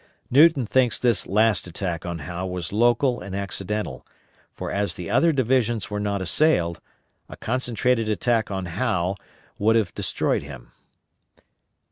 Newton thinks this last attack on Howe was local and accidental, for as the other divisions were not assailed, a concentrated attack on Howe would have destroyed him.